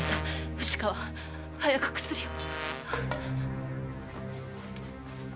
藤川早く薬を！